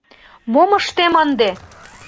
Мом ыштем ынде?!